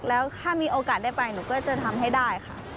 แล้วถ้ามีโอกาสได้ไปหนูก็จะทำให้ได้ค่ะ